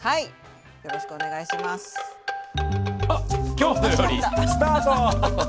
「きょうの料理」スタート！